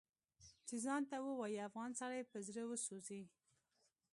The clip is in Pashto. چې ځان ته ووايي افغان سړی په زړه وسوځي